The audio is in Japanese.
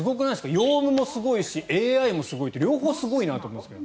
ヨウムもすごいしＡＩもすごいし両方すごいなと思うんですけど。